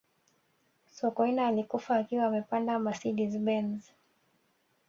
sokoine alikufa akiwa amepanda mercedes benz